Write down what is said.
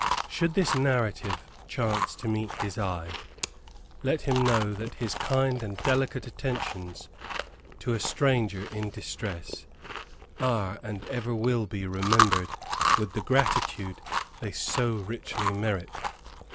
Should this narrative chance to meet his eye, let him know that his kind and delicate attentions to a stranger in distress, are and ever will be remembered with the gratitude they so richly merit.